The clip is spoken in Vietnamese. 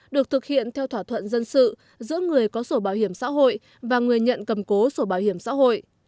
được thực hiện theo thỏa thuận dân sự giữa người có sổ bảo hiểm xã hội và người nhận cầm cố sổ bảo hiểm xã hội